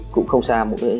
cũng không xa